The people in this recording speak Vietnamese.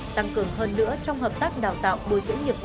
tăng cường hơn nữa trong hợp tác đào tạo bồi dưỡng nghiệp vụ